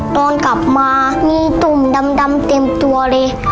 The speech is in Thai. ตอนกลับมามีตุ่มดำเต็มตัวเลย